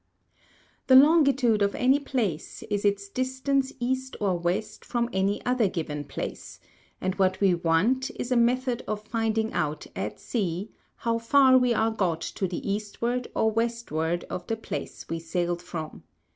The Longitude of any Place is its Distance East or West from any other given Place; and what we want is a Method of finding out at Sea, how far we are got to the Eastward or Westward of the place we sailed from.